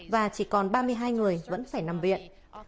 và chỉ còn ba mươi hai người vẫn phải nằm viện